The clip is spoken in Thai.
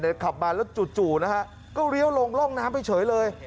ขับมาแล้วจู่นะฮะก็เลี้ยวลงร่องน้ำไปเฉยเลย